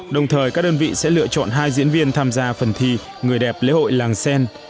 đồng thời các đơn vị sẽ lựa chọn hai diễn viên tham gia phần thi người đẹp lễ hội làng sen